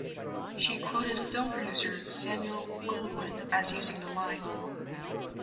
She quoted film producer Samuel Goldwyn as using the line.